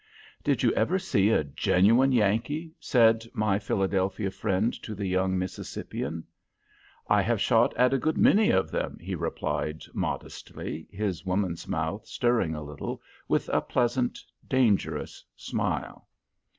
"Did you ever see a genuine Yankee?" said my Philadelphia friend to the young Mississippian. "I have shot at a good many of them," he replied, modestly, his woman's mouth stirring a little, with a pleasant, dangerous smile.